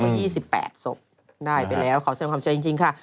ก็๒๘ศพได้ไปแล้วขอเสร็จความเชื่อจริงค่ะ